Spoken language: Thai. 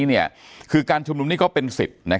อย่างที่บอกไปว่าเรายังยึดในเรื่องของข้อ